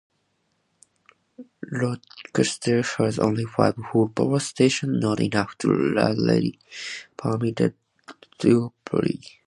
Rochester has only five full-power stations-not enough to legally permit a duopoly.